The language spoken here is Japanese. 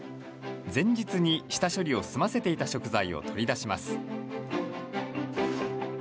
前日に下処理を済ませていた食材を取り出します。